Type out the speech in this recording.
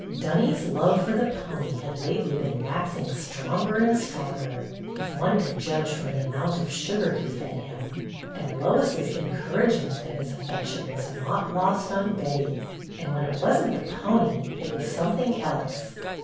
'' Dunny's love for the pony had lately been waxing stronger and stronger, if one could judge from the amount of sugar he fed him, and Lois's encouragement of his affection was not lost on Betty. And when it was n't the pony, it was something else.